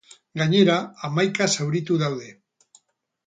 Gainera, hamaika zauritu daude.